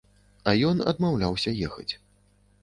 А ён адмаўляўся ехаць.